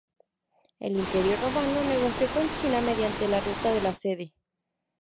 El Imperio Romano negoció con China mediante la Ruta de la Seda.